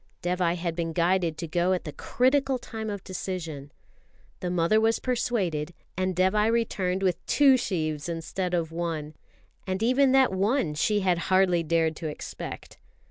Dévai had been guided to go at the critical time of decision. The mother was persuaded, and Dévai returned with two sheaves instead of one and even that one she had hardly dared to expect.